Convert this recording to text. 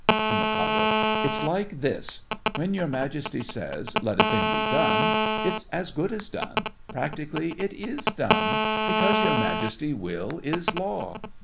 (To Mikado.) It's like this: When your Majesty says, "Let a thing be done," it's as good as done—practically, it is done—because your Majesty's will is law.